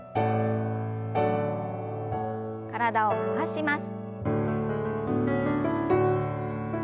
体を回します。